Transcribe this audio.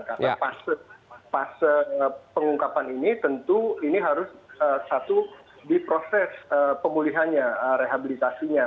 karena fase pengungkapan ini tentu ini harus satu di proses pemulihannya rehabilitasinya